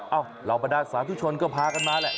เอ้าเรามาด้านสาธุชนก็พากันมาแหละ